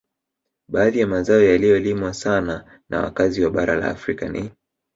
Baadhi ya mazao yaliyolimwa sana na wakazi wa bara la Afrika ni